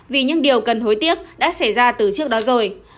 vì những điều cần hối tiếc đã xảy ra từ trước đó rồi